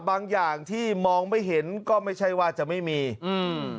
บางอย่างที่มองไม่เห็นก็ไม่ใช่ว่าจะไม่มีอืม